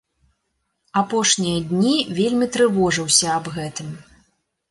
Апошнія дні вельмі трывожыўся аб гэтым.